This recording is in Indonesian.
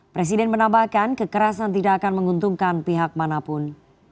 presiden menambahkan kekerasan tidak akan menguntungkan pihak manapun